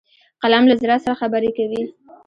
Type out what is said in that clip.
قلم له زړه سره خبرې کوي